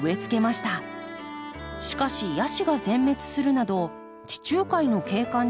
しかしヤシが全滅するなど地中海の景観にはなかなかなりません。